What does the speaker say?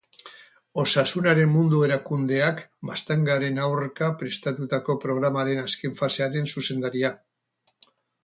Osasunaren Mundu Erakundeak baztangaren aurka prestatutako programaren azken fasearen zuzendaria.